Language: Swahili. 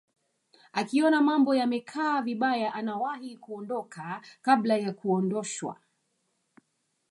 akiona mambo yamekaa vibaya anawahi kuondoka kabla ya kuondoshwa